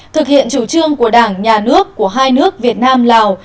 thực hiện chủ trương của đảng nhà nước của hai nước việt nam lào